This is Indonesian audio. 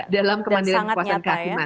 dalam kemandirian kekuasaan kehakiman